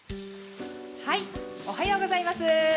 おはようございます。